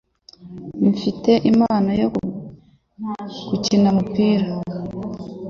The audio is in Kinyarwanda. Mfite impano yo gukina umupira